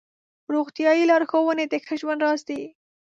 روغتیایي لارښوونې د ښه ژوند راز دی.